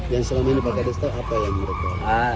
yang selama ini pak kak distan apa yang berapa